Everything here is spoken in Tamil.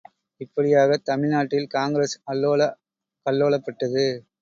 இப்படியாகத் தமிழ்நாட்டில் காங்கிரஸ் அல்லோல கல்லோலப்பட்டது.